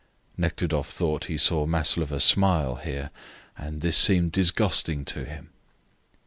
Nekhludoff thought he saw Maslova smile here, and this seemed disgusting to him.